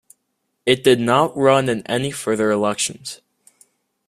It did not run in any further elections.